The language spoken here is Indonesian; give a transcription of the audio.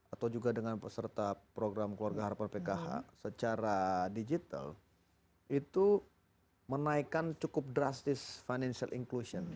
atau juga dengan peserta program keluarga harapan pkh secara digital itu menaikkan cukup drastis financial inclusion